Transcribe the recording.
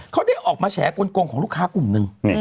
เขาได้ออกมาแฉกลงของลูกค้ากลุ่มหนึ่ง